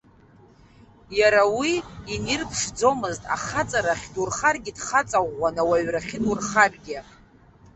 Иара уи инирԥшӡомызт, ахаҵарахь дурхаргьы дхаҵа ӷәӷәан, ауаҩрахьы дурхаргьы.